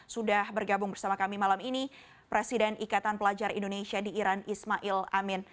sudah bergabung bersama kami malam ini presiden ikatan pelajar indonesia di iran ismail amin